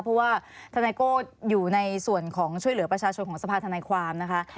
เพราะว่าธนายโก้อยู่ในส่วนของช่วยเหลือประชาชนของสภาธนายความนะคะ